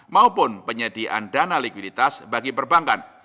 maupun penyediaan dana likuiditas bagi perbankan